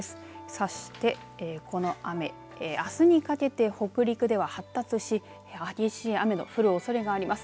そして、この雨あすにかけて北陸では発達し激しい雨の降るおそれがあります。